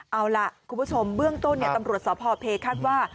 เอาล่ะคุณผู้ชมเบื้องต้นตำรวจสพเพคาดว่า